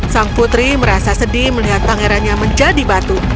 sang putri merasa sedih melihat pangerannya menjadi batu